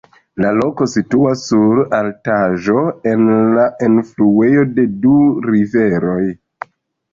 La loko situas sur altaĵo en la enfluejo de du riveroj.